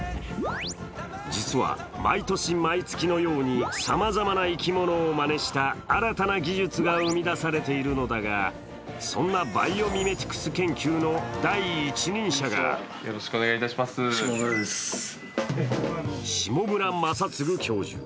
実は毎年、毎月のようにさまざまな生き物をまねした新たな技術が生み出されているのだが、そんなバイオミメティクス研究の第一人者が下村政嗣教授。